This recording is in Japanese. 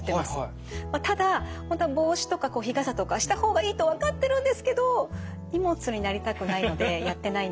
ただ本当は帽子とか日傘とかした方がいいと分かってるんですけど荷物になりたくないのでやってないんです。